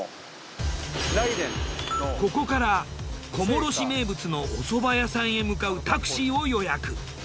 ここから小諸市名物のおそば屋さんへ向かうタクシーを予約。